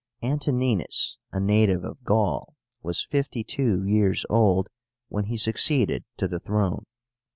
ANTONÍNUS, a native of Gaul, was fifty two years old when he succeeded to the throne.